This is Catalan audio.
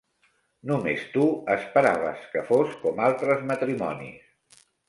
Només tu esperaves que fos com altres matrimonis.